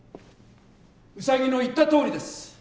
ウサギの言ったとおりです。